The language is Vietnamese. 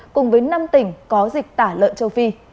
cùng với năm tỉnh có dịch tả lợn châu phi